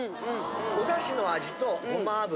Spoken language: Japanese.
お出汁の味とごま油。